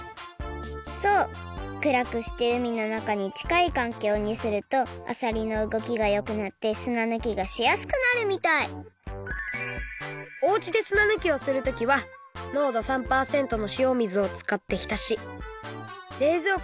そうくらくしてうみのなかにちかいかんきょうにするとあさりのうごきがよくなって砂ぬきがしやすくなるみたいおうちで砂ぬきをするときはれいぞうこにはいれずそうなんだ！